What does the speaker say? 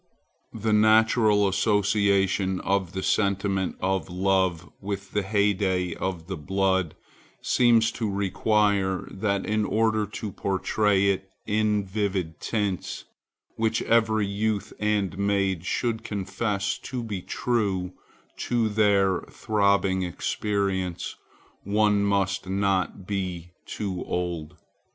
The natural association of the sentiment of love with the heyday of the blood seems to require that in order to portray it in vivid tints, which every youth and maid should confess to be true to their throbbing experience, one must not be too old.